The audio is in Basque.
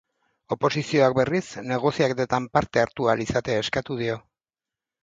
Oposizioak, berriz, negoziaketetan parte hartu ahal izatea eskatu dio.